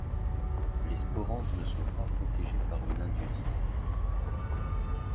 Les sporanges ne sont pas protégés par une indusie.